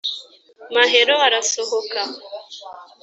Mahero arasohoka